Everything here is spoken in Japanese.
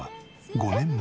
５年前？